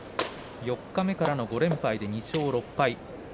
四日目からの５連敗で２勝６敗です。